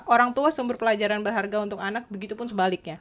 orang tua sumber pelajaran berharga untuk anak begitu pun sebaliknya